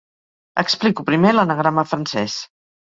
Explico primer l'anagrama francès.